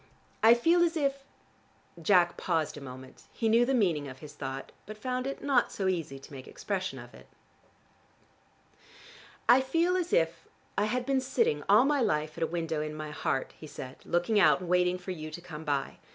I feel as if " Jack paused a moment: he knew the meaning of his thought, but found it not so easy to make expression of it. "I feel as if I had been sitting all my life at a window in my heart," he said, "looking out, and waiting for you to come by.